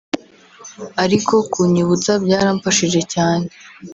ariko kunyibutsa byaramfashije cyane